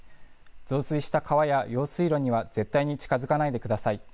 増水した川や用水路には、絶対に近づかないでください。